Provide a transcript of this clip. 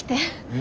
え？